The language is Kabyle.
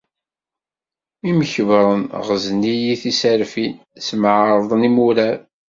Imkebbren ɣzen-iyi tiserfin, ssemɛarḍen imurar.